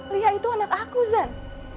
lia itu anak aku zan